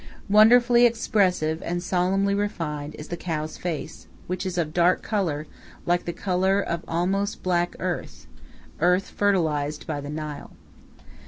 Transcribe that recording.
Wonderfully expressive and solemnly refined is the cow's face, which is of dark color, like the color of almost black earth earth fertilized by the Nile.